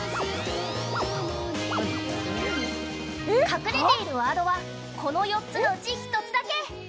隠れているワードはこの４つのうち１つだけ。